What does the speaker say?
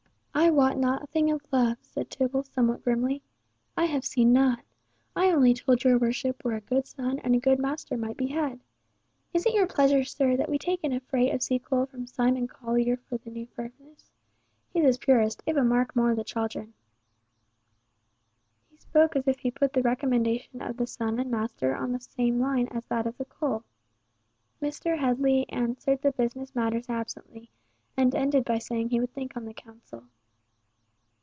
"I wot nothing of love!" said Tibble, somewhat grimly. "I have seen nought. I only told your worship where a good son and a good master might be had. Is it your pleasure, sir, that we take in a freight of sea coal from Simon Collier for the new furnace? His is purest, if a mark more the chaldron." He spoke as if he put the recommendation of the son and master on the same line as that of the coal. Mr. Headley answered the business matters absently, and ended by saying he would think on the council.